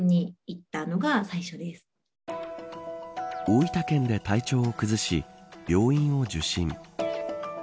大分県で体調を崩し病院を受診。